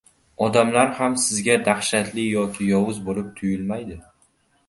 odamlar ham sizga dahshatli yoki yovuz bo‘lib tuyulmaydi.